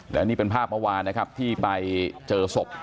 และนี่เป็นภาพเมื่อวานนะครับที่ไปเจอศพ